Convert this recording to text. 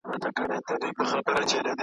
هره مسرۍ له مین توبه خو چي نه تېرېدای .